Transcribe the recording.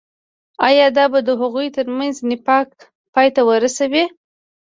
آيا دا به د هغوي تر منځ نفاق پاي ته ورسوي.